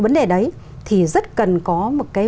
vấn đề đấy thì rất cần có một cái